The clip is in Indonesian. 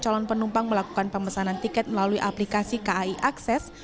calon penumpang melakukan pemesanan tiket melalui aplikasi kai akses